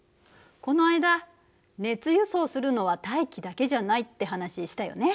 この間熱輸送するのは大気だけじゃないって話したよね？